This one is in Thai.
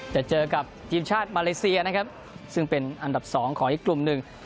จะเจอกับทีมชาติมาเลเซียนะครับซึ่งเป็นอันดับสองของอีกกลุ่มหนึ่ง